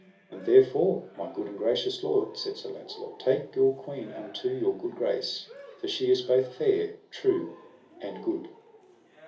And therefore my good and gracious lord, said Sir Launcelot, take your queen unto your good grace, for she is both fair, true, and good.